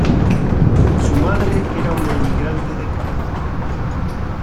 Su madre era una emigrante de Creta.